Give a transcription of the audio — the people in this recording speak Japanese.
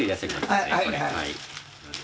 はいはい。